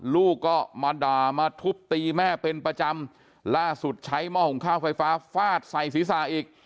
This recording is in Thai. ลูกก็มาด่ามาทุบตีแม่เป็นประจำล่าสุดใช้หม้อหงข้าวไฟฟ้าฟาดใส่ศีรษะอีก